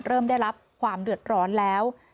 เริ่มได้รับความเดือดร้อนแล้ว